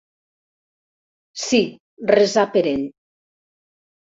Sí, resar per ell.